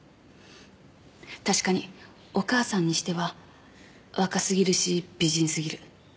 確かにお母さんにしては若すぎるし美人すぎる。